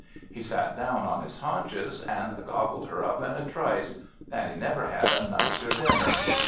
He sat down on his haunches, and gobbled her up in a trice, and he never had a nicer dinner.